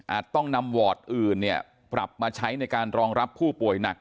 ต้องนำวอร์ดอื่นปรับมาใช้ในการรองรับผู้ป่วยหนัก